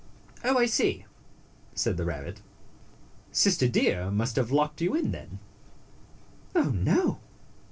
"Oh, I see," said the rabbit. "Sister Deer must have locked you in, then." "Oh, no!"